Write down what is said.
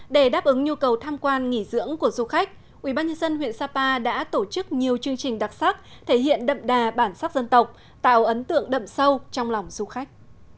để đáp ứng nhu cầu tham quan nghỉ dưỡng của du khách ubnd huyện sapa đã tổ chức nhiều chương trình đặc sắc thể hiện đậm đà bản sắc dân tộc tạo ấn tượng đậm sâu trong lòng du khách